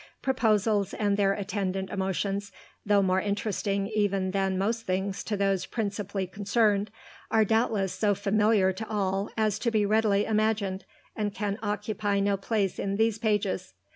Proposals and their attendant emotions, though more interesting even than most things to those principally concerned, are doubtless so familiar to all as to be readily imagined, and can occupy no place in these pages.